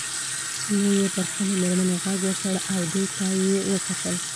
نو یې پر خپلې میرمنې غږ وکړ او دې ته یې وکتل.